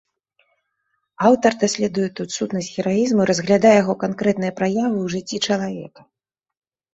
Аўтар даследуе тут сутнасць гераізму і разглядае яго канкрэтныя праявы ў жыцці чалавека.